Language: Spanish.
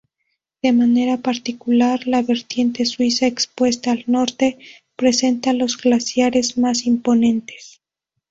De manera particular la vertiente suiza expuesta al norte presenta los glaciares más imponentes.